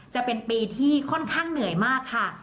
จะเป็นปีที่ค่อนข้างเหนื่อยมากค่ะ